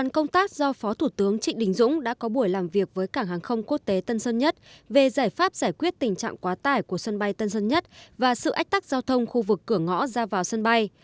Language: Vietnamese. công tác do phó thủ tướng trịnh đình dũng đã có buổi làm việc với cảng hàng không quốc tế tân sơn nhất về giải pháp giải quyết tình trạng quá tải của sân bay tân sơn nhất và sự ách tắc giao thông khu vực cửa ngõ ra vào sân bay